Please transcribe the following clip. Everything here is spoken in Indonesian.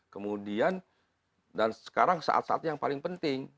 kemudian dan sekarang saat saatnya yang paling penting